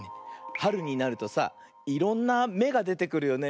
はるになるとさいろんなめがでてくるよね。